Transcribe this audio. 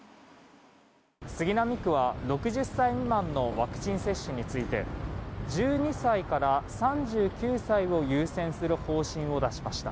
杉並区は６０歳未満のワクチン接種について１２歳から３９歳を優先する方針を出しました。